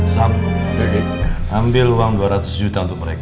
sambil ambil uang dua ratus juta untuk mereka